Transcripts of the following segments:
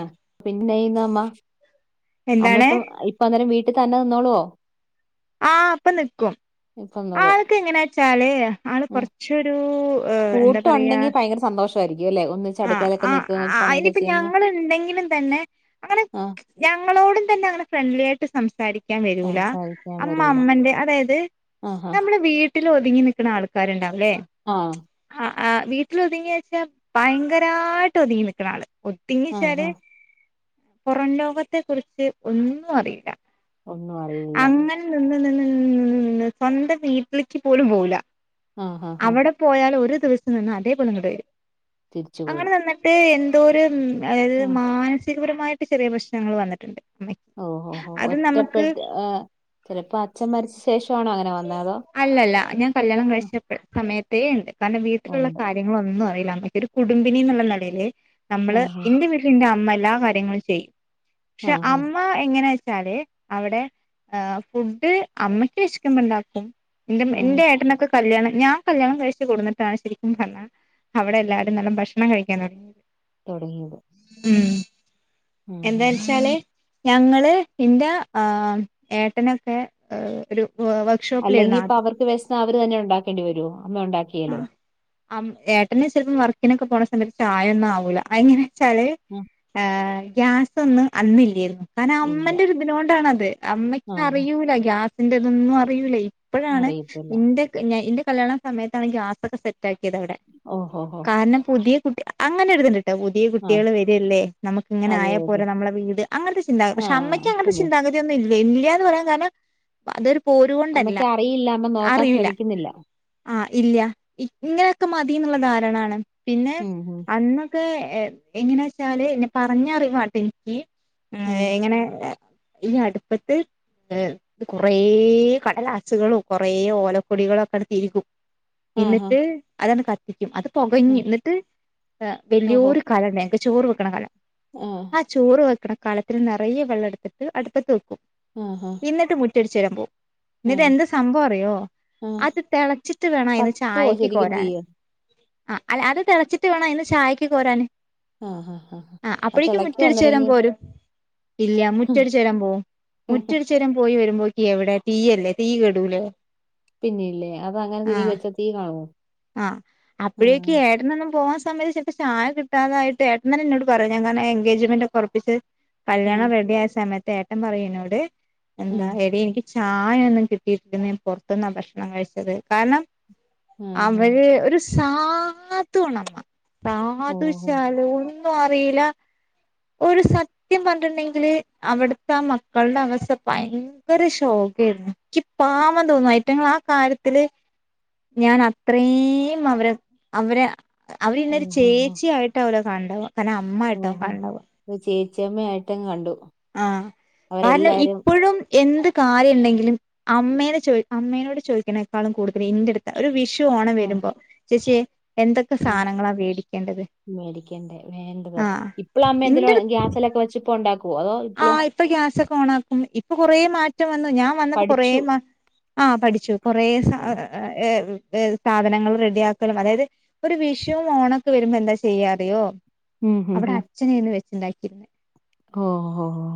അ [unintelligible] അമ്മ അമ്മ എന്താണ് ഇപ്പൊ ഇപ്പ അങ്ങനെ വീട്ട് തന്നെ ന്നോളോ ആ പ്പൊ നിക്കും ഇപ്പ നിന്നോളും ആൾക്കെങ്ങനെ ച്ചാല് ആള് ആഹ് കൊർച്ചൊരു എ എന്താ പറയാ കൂട്ടുണ്ടെങ്കി ഭയങ്കര സന്തോഷമായിരിക്കും അല്ലെ ഒന്നിച്ച് അ അടുക്കളയിലൊക്കെ അ നിക്കും ആ പണിയൊക്കെ അയ്നിപ്പൊ ചെയ്യുമ്പോ ഞങ്ങള് ണ്ടെങ്കിലും തന്നെ അങ്ങനെ ആഹ് ഞങ്ങളോടും തന്നെ അങ്ങനെ ഫ്രണ്ട്ലി ആയി റ്റ് സംസാരിക്കാൻ വരൂല സംസാരിക്കാൻ അമ്മ വരൂല അമ്മന്റെ അതായത് ആഹ് ആഹ് നമ്മള് വീ ട്ടിൽ ഒതുങ്ങി നിക്ക്ണ ആൾക്കാര്ണ്ടാവുലേ ആഹ് അ ആ വീട്ടിൽ ഒതുങ്ങിയ ച്ചാ ഭയങ്കരായ്ട്ട് ഒതുങ്ങി നിക്ക്ണ ആള് [unintelligible] ആഹ് ച്ചാല് ആഹ് പുറം ലോകത്തെ കുറിച്ച് ഒന്നു അറീല ഒന്നു അറിയില്ല ഉം സ്വന്തം വീട്ടിൽക്ക് പോലും പോവൂല ആഹ് ആഹ് ആഹ് അവടെ പോയാല് ഒര് [unintelligible] അതേപോലെ ങ്ങട്ട് വരും തിരിച്ചു പോയി അങ്ങനെ നിന്നിട്ട് എന്തോര് ഉം അതായത് ആഹ് മാനസികപരമായിട്ട് ചെറിയ പ്രശ്നങ്ങൾ വന്നിട്ട്ണ്ട് ഓ ഹൊ ഹൊ ഒറ്റപ്പെട്ട് ആ ചിലപ്പോ അച്ഛൻ മരിച്ച് അല്ലല്ല ഞാൻ കല്യാണം ആ, കഴിച്ച പെ സമയത്തേ ണ്ട് കാരണം വീട്ടിലുള്ള ഉണ്ട് കാര്യങ്ങള ഒന്നും അറീല്ല അമ്മക്ക് ഒരു കുടുംബിനി ന്ന്ള്ള നെലയില് നമ്മള് ആഹ് ഇന്റെ വീട്ടിൽ ഇന്റെ അമ്മ എല്ലാ കാര്യങ്ങളും ചെയ്യും പക്ഷെ ആഹ് ആഹ് അമ്മ എങ്ങനൊ ച്ചാൽ അവടെ എ ഫുഡ് അമ്മയ്ക്ക് ഷ്ക്കുമ്പോ ണ്ടാക്കും ഇന്റ ആഹ് ഇന്റെ ഏട്ടനൊക്കെ കല്യാണം ഞാൻ കല്യാണം കഴിച്ച് കൊട്ന്ന്ട്ടാണ് ശരിക്കും പറഞ്ഞ അവിടെ എല്ലാരും നല്ല ഭക്ഷണം കഴിക്കാൻ തുടങ്ങിയത് തുടങ്ങിയത് ഉം ഉം എന്താ ഉം ഉം. വെച്ചാല് ഞങ്ങള് ഇന്റെ ആ ഏട്ടനൊക്കെ ഒരു അല്ലെങ്കി വർക്ക്ഷോപ്പിലായിരുന്നു ഇപ്പൊ ആദ്യം അവർക്ക് വെസ്ന്ന അവര് തന്നെ ഉണ്ടാക്കേണ്ടി വരുവോ അമ്മ ആ ഉണ്ടാക്കിയല്ലേ അം ഏട്ടന് ചെൽപ്പം വർക്കിനൊക്കെ പോണ സമയത്ത് ചായൊന്നും ആവൂല അങ്ങനെ ചെലര് ആ ഗ്യാസ് ഒന്നും അന്നില്ലേര്ന്നു കാരണം ഇല്ല അമ്മന്റൊരു ഇതിനൊണ്ടാണ് അ അമ്മയ്ക്ക് ആഹ് അറിയൂല ഗ്യാസിന്റെ ഇതൊന്നും അറിയൂല്ല ഇപ്പോഴാണ് അറിയത്തില്ല ഇന്റെ ഞ ഇന്റെ കല്യാണം സമയത്താണ് ഗ്യാസൊക്കെ സെറ്റ് ആക്കിയത് അവിടെ ഓഹോ ഹോ കാരണം പുതിയ കുട്ടി അങ്ങനെ ഒര്ത്ണ്ട് ട്ട പുതിയ ആഹ് കുട്ടികൾ വരല്ലേ നമുക്ക് ഇങ്ങനെ അത് ആയാ ഓക്കെ പോലെ നമ്മെ വീട് അങ്ങനത്തെ ചിന്താ പക്ഷെ അമ്മയ്ക്ക് ആഹ് അങ്ങൻത്തെ പിന്നെ ചിന്താഗതിയൊന്നും വല്ല്യാന്ന് പറയാൻ കാരണം അതൊരു പോരുകൊണ്ടല്ല അമ്മയ്ക്ക് അറിയില്ല അമ്മ നോക്കാൻ അറിയൂല ശ്രമിക്കുന്നില്ല ആ ഇല്ല ഇങ്ങനെയൊക്കെ മതി ന്നുള്ള ധാരാണാണ് പിന്നെ ഉം ഉം അന്നൊക്കെ എ എങ്ങനെ വെച്ചാല് എന്നെ പറഞ്ഞറിവാട്ടെ എനിക്ക് ഉം ഏ എങ്ങനെ ഇനി അടുപ്പത്ത് എ ഇത് കുറേ കടലാസുകളും കൊറേ ഓലക്കൊടികളൊക്കെ തിരികും ആഹ് ആഹ് എന്നിട്ട് അതാണ് ക ക്കും അത് പുകഞ്ഞ് ആഹ് ന്നിട്ട് ഓഹോ വല്യോരു കല [unintelligible] ചോറ് വെക്ക്ണ കല ആഹ് അ ചോറ് വെക്കണം കളത്തി നിറയെ വെള്ളം എടുത്തിട്ട് അടുപ്പത്ത് വെക്കും അ ആ റ്റട്ചേരാൻ പോവും ഇന്നട്ട എന്ത സംഭവം അറിയോ ആഹ് അത് തെള് ട്ട് വേണ അയ്ന്ന് കത്തുവോ ചായക്ക് ശരിക്കും കോരാൻ തീയ് അ അല്ല അത് തെളച്ചിട്ട് വേണം അയ്ന്ന് ചായക്ക് കോരാന് അ ഹ അ അപ്പഴേക്കും മുറ്റ അടിച്ചേരാൻ പോരും ഇല്ല മുറ്റടിച്ചേരാൻ പോവും മുറ്റടിച്ചേരാൻ പോയി വരുമ്പോ എവിടെ തീയല്ലേ തീ കെടൂലെ പിന്നില്ലേ അത അങ്ങനെ തിരി വെച്ച തീ കാണോ ആ അപ്പൊഴൊക്കെ ഏട്ടനൊ പോവാൻ സമയത്ത് ചെൽപ്പോ ചായ കിട്ടാതായിട്ട് ഏട്ടനന്നെ ന്നോട് പറിം ഞാങ്ങനെ എൻഗേജ്മെന്റൊകെ ഒർപ്പിച്ച് ആഹ് കല്യാണം റെഡി ആയ സമയത്ത് ഏട്ടം പറയുംനോട് എന്താ ആഹ് എടി എനിക്ക് ചായ ഒന്നും കിട്ടിയിട്ടരിക്കുന്ന ഞാൻ പൊർത്തുന്നാ ഭക്ഷണം കഴിച്ചത് കാരണം ആഹ് ആഹ് അവര് ഒരു സാധുവണമ്മ ഓഹോ സാധുശാലും ന്നും അറീല ഒരു സത്യം പറഞ്ഞിട്ടുണ്ടെങ്കില് അവിടുത്തെ ആ മക്കളുടെ അവസ്ഥ ഭയങ്കര ശോകാണ് ഓ എനിക്ക് പാവം തോന്നുന്നു അയ്റ്റങ്ങ ആ കാര്യത്തില് ഞാൻ അത്രയും അവരെ അവരെ അവര് ഇന്നൊരു ഓഹോ ഹോ ചേച്ചിയിട്ട് അവര് എന്നെ കാണുന്നത് കനെ അമ്മായിട്ടോ കാണുന്നത് ച്ചമയ ഐട്ടം കണ്ടു ആഹ കാരണം അവരെല്ലാരും ഇപ്പോഴും എന്ത് കാര്യം ഉണ്ടെങ്കിലും അമ്മേ ചോദ അമ്മേയോട് ചോദിക്കതിനേക്കളും കൂടുതൽ ഇനെടുത്ത ഒരു വി ച ഓണം ആഹ് വരുമ്പോ ചേച്ചി എന്തൊക്കെ സാധനങ്ങളാ വേടിക്കേണ്ടത് മേടിക്കേണ്ടേ വേണ്ടത് ആഹ് ഇപ്പോഴും അമ്മ ഇന്റെടു എന്തെലും ഗ്യാസിലൊക്കെ വെച്ചപ്പോ ഉണ്ടാക്കും ആഹ് ഇപ്പൊ ഗ്യാസൊക്കെ ഓണക്കും ആക്കും ഇപ്പൊ കൊറ മാറ്റം വന്നു ഞാൻ വന്നപ്പോ കൊറ പഠിച്ചു ആ പഠിച്ചു കൊറ ഏ ഉം സ്ഥാപനങ്ങൾ റെഡിയ ആക്കലും അതായത് ഒരു വിഷുവും ഓണൊക്കെ വരുമ്പോ എന്താ ചെയ്യാറിയോ ഉം അവിടെ അച്ഛനന്ന് വെച്ചുണ്ടാക്കിരന്ന് ഓഹ് ഓഹ്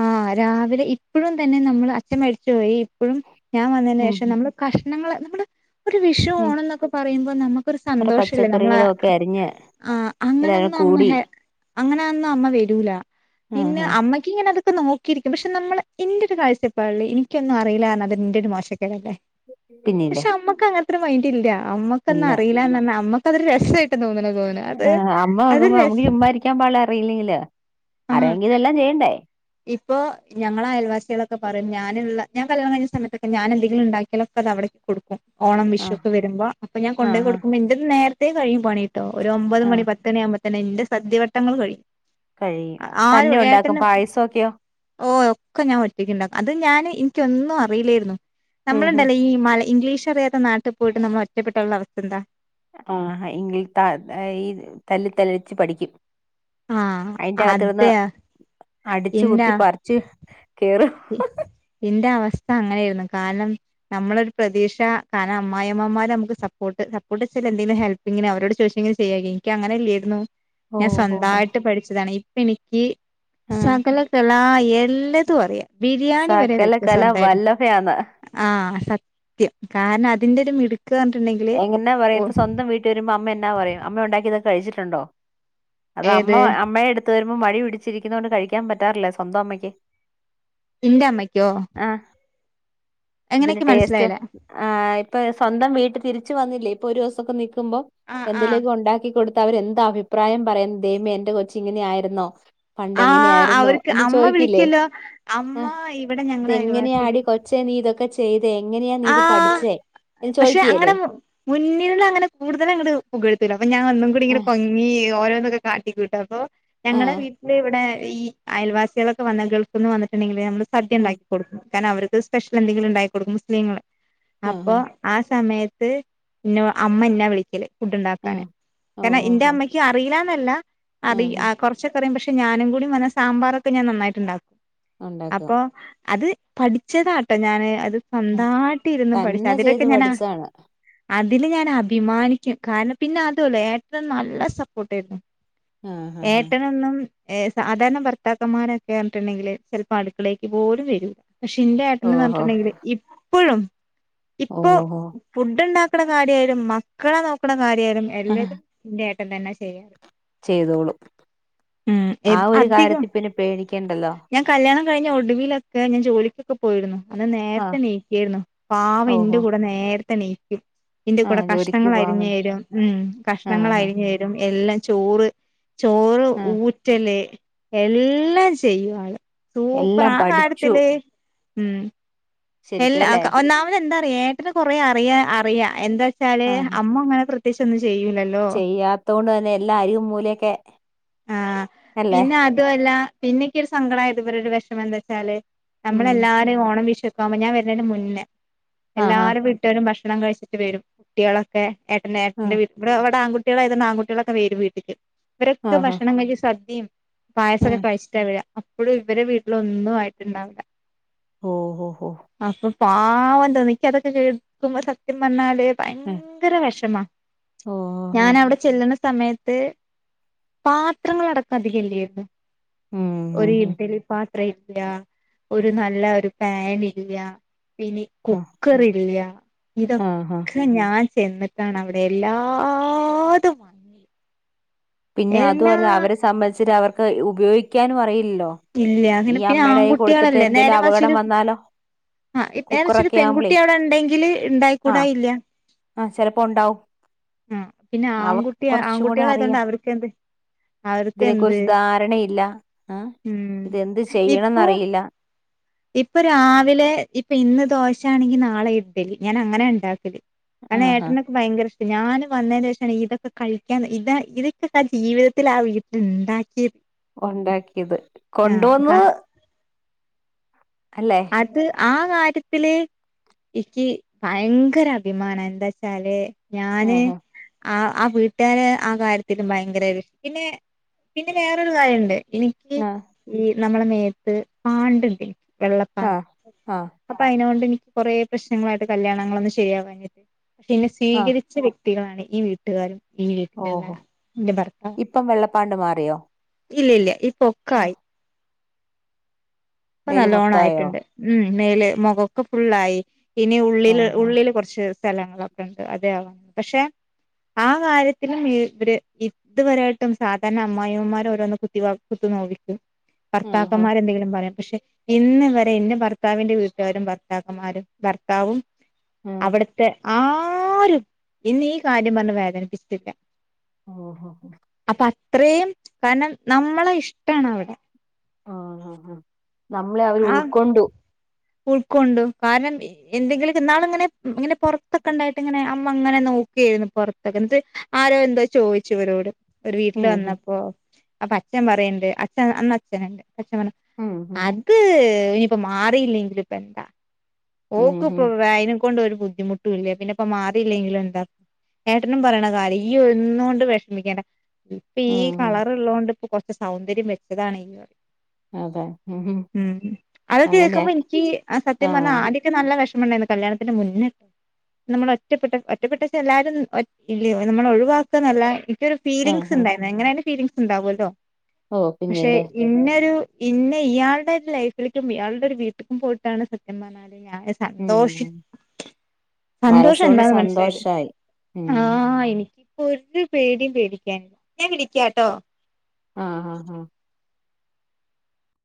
ആ രാവിലെ ഇപ്പഴും തന്നെ നമ്മള് അച്ഛൻ മരിച്ചു പോയി ഇപ്പഴും ഞാൻ വന്നതിനു ഉം ശേഷം ഉം നമ്മള് കഷ് നിങ്ങള് നമ്മള് ഒരു വിഷു ഉം ഓണന്നൊക്കെ പറയുമ്പോ നമുക്കൊരു കൊറെ സന്തോഷല്ലേ നമ്മള പച്ചക്കറികളും ഒക്കെ അരിഞ്ഞ് ആ എല്ലാരും അങ്ങനൊന്നു അമ്മ കൂടി ഹെ അങ്ങനൊന്നും അമ്മ വരൂല പിന്നെ ആഹ് ആഹ് അമ്മക്ക് ഇങ്ങനെട ഒക്ക നോക്കിരിക്കും പക്ഷെ നമ്മള് ഇന്റൊരു കാഴ്ചപ്പാടില് ഇനിക്കൊന്നും അറിയിലറഞ്ഞാല് ന്റൊരു മോശ ല്ല പിന്നില്ലേ പശേ അമ്മക്ക് അങ്ങൻത്തെര് മൈന്ഡ് ഇല്ല അമ്മക്കൊന്നും ഇല്ല അറീല്ലാന്ന് ന്നർഞ്ഞാ അമ്മ ത്തതൊരു രസായിട്ട് തോന്നുണു ആഹ് അമ്മ നോക്കുമ്പോ നമ്മക്ക് ചുമ്മാ ഇരിക്കാൻ പാടില്ല അറിയില്ലെങ്കില് ആഹ് അറിയാങ്കിൽ ഇതെല്ലാം ചെയ്യണ്ടേ ഇപ്പൊ ഞങ്ങളെ അയൽവാസികളൊക്കെ പറയും ഞാനുള്ള ഞാൻ കല്യാണം കഴിഞ്ഞ സമയത്തൊക്കെ ഞാൻ എന്തെങ്കിലും ഉണ്ടാക്കിയാലൊ പ്പൊതവിടെ ക്കൊടുക്കും ഓണം വിഷു ആഹ് ഒക്കെ വരുമ്പോ അപ്പൊ ഞാൻ ആഹ് കൊണ്ടേ ആഹ് കൊടുക്കുമ്പോ ന്റെത് നേരത്തെ കഴിയും പണി ട്ടോ ഒരു ഒമ്പത് മണി ആഹ് പത്തണി ആകുമ്പത്തന്നെ ന്റെ സദ്യവട്ടങ്ങള് കഴിയും കഴിയും തന്നെ ആരും ഒണ്ടാക്കും ഏട്ടന് പായസൊക്കെയോ ഓഹ് ഒക്കെ ഞാൻ ഒറ്റക്കിണ്ടാക്കും. അത് ഞാന് ഇൻക്ക് ഒന്നും അറിയില്ലായ്രുന്നു. ഉം ഉം നമ്മള്ണ്ടല്ലോ ഈ മല ഇംഗ്ലീഷ് അറിയാത്ത നാട്ടിപ്പോയിട്ട് നമ്മളൊറ്റപ്പെട്ടാലുള്ള അവസ്ഥ എന്താ ആഹ് ഈ ത ഈ തല്ലിത്തല്ലിച്ച് പഠിക്കും ആ അയിന്റെ അകത്തിരുന്ന് അതെ അടിച്ചു കുത്തി പറിച്ച് കേറ് ത്യം ഇന്റെ അവസ് അങ്ങനെയായിരുന്നു കാരണം നമ്മളൊരു പ്രതീക്ഷ കാരണം അമ്മായിമ്മമാരെ നമുക്ക് സപ്പോട്ട് സപ്പോട്ട് പ്പെന്തെങ്കിലും ഹെൽപ്പിങ്ങിന് അവരോട് ചോദിച്ചങ്ങ് ചെയ്യായ്ക എനിക്കങ്ങനെല്ലായിരുന്നു ഞാൻ ഓഹോഹോ സ്വന്തായിട്ട് പഠിച്ചതാണ് ഇപ്പനിക്ക് ആഹ് സകലകലാ എല് സകലതും അറിയാം ബിരിയാണി വരെ സകല വെക്കും കല സ്വന്തായിട്ട് വല്ലഭയാന്ന് ആഹ് സ ക്ക് കാരണം അതിന്റെ ഒരു മിടു എങ്ങനാ പറയും പ്പൊ സ്വന്തം വീട്ട് വരുമ്പോ അമ്മ എന്നാ പറയും അമ്മ ഒണ്ടാക്കിതൊക്കെ കഴിച്ചിട്ടുണ്ടോ? അത് ഏത് അമ്മ അമ്മയെടുത്തുതരും മ്മ് മടി പിടിച്ചിരിക്കുന്നോണ്ട് കഴിക്കാൻ പറ്റാറില്ല സ്വന്തം അമ്മയ്ക്ക് ഇന്റെമ്മക്കോ ആഹ് ഇതിന്റെ ടേസ്റ്റ് ആഹ് ഇപ്പൊ സ്വന്തം വീട്ട് തിരിച്ച് വന്നില്ലേ ഇപ്പൊ ഒരോസൊക്കെ നി ക്കുമ്പൊ ആഹ് ആഹ് എന്തേലൊക്കെ ഒണ്ടാക്കി കൊടു ത്തവരെന്താ അഭിപ്രായം പറയും ദൈവമേ എന്റെ കൊച്ച് ഇങ്ങനെ ആയിരുന്നോ? ആഹ് പണ്ടെങ്ങെനെയായിരുന്നോ അവർക്ക് എന്ന് അമ്മ ചോയിക്കില്ലേ വിളിക്കല്ലോ എ അമ്മ ഇവിടെ ഞങ്ങളെ ഇതെങ്ങനെയാടി അയൽവാസില് കൊച്ചേ നീ ഇതൊക്കെ ചെയ്ത് എങ്ങനെയാ നീ ഇത് ആഹ് പഠിച്ചേ എന്ന് ചോയ്ക്കേല്ലേ മുന്നിലുള്ളങ്ങനെ കൂടുതലങ്ങ്ട് പുകഴ്ത്തൂല അപ്പൊ ഞാൻ ഒന്നും കൂടി ആ ഇങ്ങനെ പൊങ്ങി ഓരോന്നൊക്കെ കാട്ടിക്കൂട്ടും അപ്പൊ ഞങ്ങടെ ആഹ് വീട്ടില് ഇവടെ ഈ അയൽവാസികളൊക്കെ വന്ന ഗൾഫ്ന്ന് വന്നിട്ടുണ്ടെങ്കില് നമ്മള് സദ്യ ആഹ് ഇണ്ടാക്കി കൊട്ക്കും. കാരണം അവർക്ക് സ്പെഷ്യൽ എന്തെങ്കിലും ഉണ്ടാക്കി കൊടുക്കും മുസ്ലീങ്ങള് ആഹ് അപ്പൊ ആഹ് ആ സമയ ത് ഇന്നൊ അമ്മ ന്നെ വിളിക്കല് ഫുഡ് ഉണ്ടാക്കാന് ആഹ് ഓഹ് കാരണം ഇന്റെ ഓഹോ അമ്മയ്ക്ക് അറിയില അല്ല അറി ആഹ് അ കുറച്ചൊക്കറിയും പക്ഷെ ഞാനും കൂടി വന്ന സാമ്പാറൊക്കെ ഞാനന്നായിട്ട് ണ്ടാക്കും ഉണ്ടാക്കും അപ്പൊ അത് പഠിച്ചതാട്ടോ ഞാന് അ ആ, സ്വന്തായ്ട്ടിരുന്നു പഠിച്ച തന്നെ അതിലൊക്കെ ചെയ്ത് ഞാനാ പഠിച്ചാണ് അതില് ഞാൻ അഭിമാനിക്കും കാരണം പിന്നെ അതുവല്ല ഏട്ടനും നല്ല സപ്പോർട്ടായിരുന്നു ആഹ് ആഹ് ഏട്ടനൊന്നും ഏഹ് സാധാരണ ഭർത്താക്കന്മാരൊക്കെ അർഞ്ഞിട്ടുണ്ടെങ്കില് ചെൽപ്പോ അട്ക്കളേക്ക് പോലും വരു പശേ ഇന്റെ ഏട്ടനെന്ന് ഓഹോ അർഞ്ഞിട്ടുണ്ടെങ്കില് ഇപ്പോഴും ഇപ്പൊ ഓഹോ ഫുഡ് ഉണ്ടാക്കണ കാര്യയാലും മക്കളെ നോക്കണ കാര്യയാലും എല്ലതും ഇന്റെ എട്ടൻ തന്നെ ചെയ്യാല് ചെയ്തോളും ആ ഉം ഒരു അധികം കാര്യത്തിൽ പിന്നെ പേടിക്കേണ്ടല്ലോ ഞാൻ കല്യാണം കഴിഞ്ഞ ഒടുവിലൊക്കെ ഞാ ജോലിക്കൊക്കെ പോയിരുന്നു അന്നെ ആഹ് നീക്കിരുന്നു പാവ ഇന്റെ ഓഹോ കൂടെ നേരത്തെ നീക്കും ഇന്റെ കൂടെ ആഹ് ജോലിക്ക് കഷ്ണങ്ങൾ പോവാൻ വേണ്ടി അരിഞ്ഞെരും ഉം കഷ്ണങ്ങൾ ആഹ് അരിഞ്ഞെരും എല്ലാം ചോറ് ചോറ് ആഹ് ഊറ്റല് എല്ലാം ചെയ്യും ആൾ സൂപ്പർ എല്ലാം ആ പഠിച്ചു കാര്യത്തിൽ ഉം ശരിക്കും എല്ലാ അല്ലേ ഒന്നാമത് എന്താ അറിയ ഏട്ടന് കൊറെ അറിയാ അറിയ എന്താ ച്ചാൽ അമ്മ അങ്ങനെ പ്രേത്തേകിച്ചോന്നും ചെ ചെയ്യാത്തോണ്ട് തന്നെ എല്ലാ അരികും മൂലയൊക്കെ ആ അല്ലേ പിന്നെ അതു വല്ല പിന്നെ ഇക്ക് ഒരു സങ്കട ആയത് ഇവരുടെ വെഷമം എന്താ വെച്ചാല് ഉം നമ്മളെല്ലാരും ഓണം വിഷു ഒക്കെ അവുമ്പോ ഞാൻ വെര്ണെയിന്റെ മുന്നേ ആഹ് എല്ലാരും വീട്ടെരും ഭക്ഷ ഭക്ഷണം കഴിച്ചിട്ട് വരും കുട്ടികളൊക്കെ ഏ ഏട്ടന്റെ ആഹ് വീട് ഇവിടെവിടെട്ട ആണ്. കുട്ടികളായത് ആൺകുട്ടികളൊക്കെ വരും വീട്ടിക്ക് ഇവരൊക്കെ ആഹ് ഭക്ഷണം വഴിയ സദ്യയും പായസക്കെ ആഹ് കഴിച്ചിട്ട്ണ വര അപ്പഴും ഇവടെ വീട്ടില ഒന്നും ആയിട്ട്ണ്ടാവില്ല. ഓ ഹോ ഹോ പാവം ഇണ്ട്ന്നെ ഇക്ക് അതൊക്കെ കേൾക്കുമ്പോ സത്യം പർണാൽ ഓഹ് ഭയങ്കര വിഷമാ ഓഹോ ഞാനവിടെ ചെല്ലണ സമയത്ത് പാത്രങ്ങൾ അടക്കം അതിൽ ഇല്ലേര്ന്ന് ഉം ഒര് ഉം ഉം ഇഡ്ലി പത്രം [unintelligible] ഇല്ല ഒരു നല്ല ഒരു പാൻ ഇുക പിന്നെ ആഹ് കുക്കർ ഇല്ല ആഹ് ഇതൊക്കെ ഞാൻ ചെന്നിട്ടാണ് അവ്ടെ എല്ലാതും വാങ്ങി പിന്നെ അതുവല്ല അവരെ സംബന്ധിച്ചിട്ട് അവർക്ക് ഉപയോഗിക്കാനും അറി ല്ലോ ഇല്ല അങ്ങനെ ഈ പിന്നെ അമ്മെടെ കയ്യി കൊട്ത്ത്ട്ട് എന്തേലും അപകടം വന്നാലോ ആഹച്ചരു കുക്കറൊക്കെ ആവുമ്പളേ പെൺകുട്ടി അവിടെ ഉണ്ടെങ്കില് ഇണ്ടായിക്കൂടാ. ഇല്ല. ആ ചെലപ്പോ ഒണ്ടാവും ആ പിന്നെ അവക്ക് ആൺകുട്ടി കൊറച്ച് കൂടെ ആൺകുട്ടികളായതുകൊണ്ട് അറിയാം അവർക്ക് എന്ത് അവർക്ക് ഇതിനെ എന്ത് കുുറിച്ച് ധാരണയില്ല. ആ ഉം ഇത് എന്ത് ചെയ്യണംന്ന് അറിയില്ല ഇപ്പ രാവിലെ ഇപ്പ ഇന്ന് ദോശ ആണെങ്കി നാളെ ഇഡ്ലി ഞാൻ അങ്ങനെ ഇണ്ടാക്കൽ അയിന് ആഹ് ആഹ് ഏട്ടനൊക്കെ ഭയങ്കര ഇഷ് ഞാൻ വന്നെന്റെ ശേഷം ആണ് ഇതൊക്കെ കയ്ക്കാൻ ഇതാ ഇതൊക്കെ [unintelligible] ജീവിതത്തിൽ ആ വീട്ടിൽ ഇണ്ടാക്കിയെ ഉണ്ടാക്കിയത് ആ കൊണ്ടുവന്നത് അല്ലേ അത് ആ കാര്യത്തില് എക്ക് ഭയങ്കര അഭിമാനം എന്താ ച്ചാല് ഞാന് ആഹ് ആ ആ വീട്ടാരെ ആ കാര്യത്തിലും ഭയങ്കര ഒരു പിന്നെ പിന്നെ വേറൊരു കാര്യം ഇണ്ട് ആ നമ്മടെ മേത്ത് പാണ്ട് ഇണ്ട് വെള്ളപ്പാണ്ട് ആഹ് ആഹ് അപ്പ അയിനോണ്ട് എനി കുറേ പ്രശ്നങ്ങളായിട്ട് കല്യാണങ്ങളൊന്നും. ശെരിയാവൂണില്ല. പക്ഷെ എന്നെ ആഹ് സ്വീകരിച്ച വ്യക് കുട്ടികളാണ് ഈ വീട്ടുകാരും ഈ വീട്ടിലുള്ള എന്റെ ഭർത്താവ് പണ്ട് മാറിയോ? ഇല്ല ഇല്ല ഇപ്പൊക്കെ ആഹ് ആയി ഇപ്പ മേല് നല്ലോണം ആയിട്ട് മൊത്തായോ ഇണ്ട് ഉം മേല് മൊഖൊക്കെ ഫുള്ളായി ക്കിനി ഉള്ളിൽ ആഹ് ഉള്ളിൽ കൊർച്ച് സ്ഥലങ്ങളൊക്കെ ഇണ്ട് അതെ അവോ പക്ഷെ ആ കാര്യത്തിലും ഈ ഇവര് ഇത് വെരായിട്ടും സാധാരണ അമ്മായിമ്മമാര് ഓരോന്ന് കുത്തിവാക്ക് കുത്തു നോവിക്കും ആഹ് ആഹ് ഭർത്താക്കന്മാര് എന്തെങ്കിലും പറിം പക്ഷെ ഇന്ന് വരെ ഇന്ന ഭർത്താവിന്റെ വീട്ടുകാരും ഭർത്താക്കന്മാരും ഭർത്താവും ആഹ് അവിടുത്തെ ആരും ഇന്ന് ഈ കാര്യം പറഞ്ഞ് വേദനിപ്പിച്ചിട്ടില്ല. ഓ ഹോ ഹോ ഇത്രെയം കാരണം നമ്മളെ ഇഷ്ടാണ് അവ്ടെ ആ ആ അ നമ്മളെ അവര് ആ ഉൾക്കൊണ്ടു ഉൾക്കൊണ്ടു കാരണം എന്തെങ്കിലും ഇന്നാൾ ഇങ്ങനെ ഇങ്ങനെ പൊർത്തൊക്കെ ഇണ്ടായിട്ട് ഇങ്ങനെ അമ്മ അങ്ങനെ നോ കുക്ക് ചെയ്യാര്ന്നു പൊർത്തൊക്കെ ഇന്നട്ട് ആരോ എന്തോ ചോയിച്ചു ഇവരോട് ഒരു വീട്ടില് ഉം ഉം വന്നപ്പോ അപ്പ അച്ഛൻ പറിയിണ്ട് അച്ഛൻ അന്ന് അച്ചൻ ഇണ്ട് ഉം ഉം അത് ഇനിപ്പൊ മാറിയില്ലെങ്കിപ്പാ എന്താ ഉം ഓക്ക് ഉം ഇപ്പം വയനേക്കൊണ്ടൊരു ബുദ്ധിമുട്ടും ഇല്ലേ പിന്നെ ഇപ്പ മാറിയില്ലെങ്കിലും എന്താ ഏട്ടനും പറയണ കാര്യം ഈ ഒന്നുകൊണ്ട് വിഷമിക്കേണ്ട ഇപ്പീ ഉം ഉം കളറുള്ളതോണ്ടിപ്പം കൊറച്ചു സൗന്ദര്യം വെച്ചതാണ് ഈ പ ഉം ഉം അതു കേക്കുമ്പം അങ്ങനെയാക്കി എനിക്ക് ആ സത്യം പറഞ്ഞ ആദിക്കെ നല്ല നല്ല വിഷമമുണ്ടാരുന്നു കല്യാണത്തിന്റെ മുന്നേ നമ്മൾ ഒറ്റപ്പെട്ട ഒറ്റപ്പെട്ടെച്ചാ എല്ലാരും ഇല്ലിയോ നമ്മൾ ഒഴിവാക്കാന്നല്ല ഒക്കൊരു ആ ഫീലിംഗസ് ആ ഉണ്ടായിരുന്നു എങ്ങനാലും ഫീലിംഗസ് ഉണ്ടാവുമല്ലോ ഓ പക്ഷെ പിന്നെല്ലേ ഇന്നൊരു ഇന്നെ ഇയാളുടെ ഒരു ലൈഫിലേക്കും ഇയാളുടെ ഒരു വീട്ടക്കും പോയിട്ടാണ് സത്യം പറഞ്ഞാ ഞാനെ ഉം സന്തോഷിച്ചു സന്തോഷം മനസ്സുകൊണ്ട് എന്താന്ന് മനസ്സിലായത് സന്തോഷായി ഉം ആ എനിക്ക് ഒരു പേടിയും പേടിക്കാനില്ല ഞാൻ വിളിക്കാട്ടോ ആ അ അ